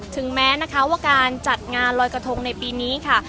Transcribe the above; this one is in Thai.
ถึงแม้นะคะว่าการจัดงานลอยกระทงในปีนี้ค่ะ